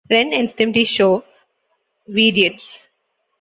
Ren and Stimpy Show: Veediots!